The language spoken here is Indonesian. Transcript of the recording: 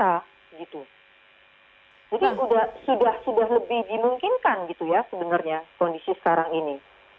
jadi sudah lebih dimungkinkan gitu ya sebenarnya kondisi sekarang ini